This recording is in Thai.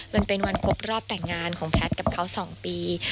มันเป็นวันครบรอบแต่งงานของแพทย์กับเขา๒ปี